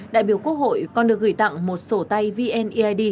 đại biểu quốc hội còn được gửi tặng một sổ tay vneid